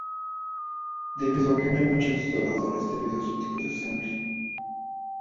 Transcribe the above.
Debido a que no hay muchos donantes debido a su tipo de sangre.